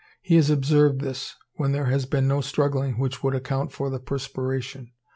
He has observed this, when there has been no struggling which would account for the perspiration.